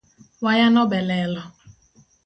Wayano be lelo